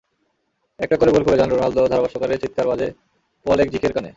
একটা করে গোল করে যান রোনালদো, ধারাভাষ্যকারের চিৎকার বাজে পলেকজিকের কানে।